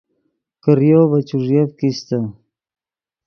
کریو ڤے چوݱیا کیستے